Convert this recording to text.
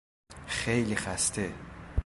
خیلی خسته